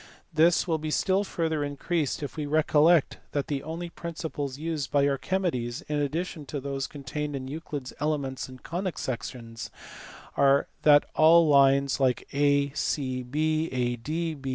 This will be still further increased if we recollect that the only principles used by Archimedes, in addition to those contained in Euclid s Elements and Conic sections, are that of all lines like AGE, ADB